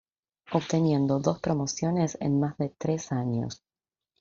Obteniendo dos promociones en más de tres años.